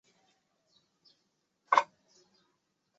香港地球之友现有超过一万名个人会员。